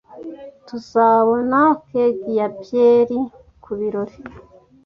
Tuzabona keg ya byeri kubirori.